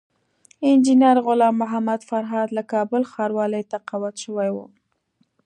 انجينر غلام محمد فرهاد له کابل ښاروالۍ تقاعد شوی وو